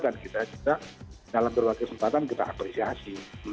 dan kita juga dalam beberapa kesempatan kita apresiasi